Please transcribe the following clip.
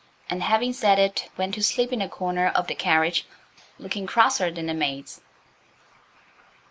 And, having said it, went to sleep in a corner of the carriage looking crosser than the maids.